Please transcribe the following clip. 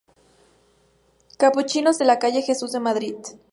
Capuchinos de la Calle Jesús de Madrid.